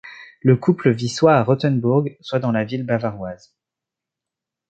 Le couple vit soit à Rothenburg, soit dans la ville bavaroise.